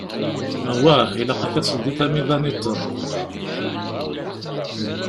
Awah, ilaq-ak ad teldiḍ amiḍan-iḍen.